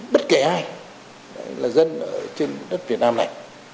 bất kể ai là dân ở trên đất việt nam này